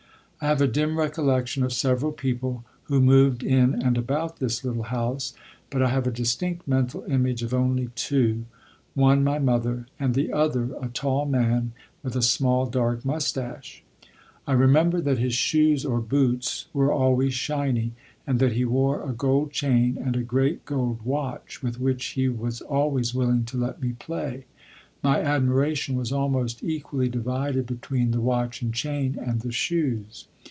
I have a dim recollection of several people who moved in and about this little house, but I have a distinct mental image of only two: one, my mother; and the other, a tall man with a small, dark mustache. I remember that his shoes or boots were always shiny, and that he wore a gold chain and a great gold watch with which he was always willing to let me play. My admiration was almost equally divided between the watch and chain and the shoes.